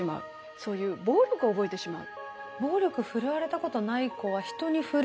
そういう暴力を覚えてしまう。